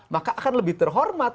maka akan lebih terhormat